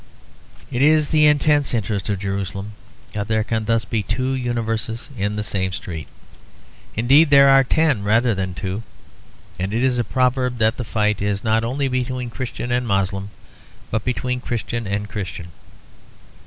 It is the intense interest of Jerusalem that there can thus be two universes in the same street. Indeed there are ten rather than two; and it is a proverb that the fight is not only between Christian and Moslem, but between Christian and Christian.